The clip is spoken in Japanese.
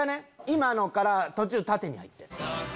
今のから途中縦に入って。